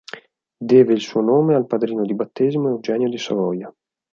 Deve il suo nome al padrino di battesimo Eugenio di Savoia.